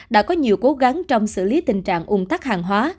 đã có nhiều cố gắng trong xử lý tình trạng ung tắc hàng hóa